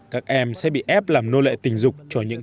các em sẽ bị ép làm nô lệ tình dục